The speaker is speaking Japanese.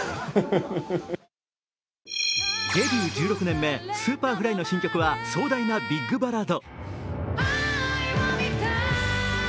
デビュー１６年目、Ｓｕｐｅｒｆｌｙの新曲は壮大なビッグバラード。